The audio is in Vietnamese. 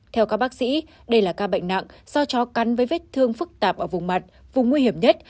theo các bác sĩ đây là ca bệnh nặng do chó cắn với vết thương phức tạp ở vùng mặt vùng nguy hiểm nhất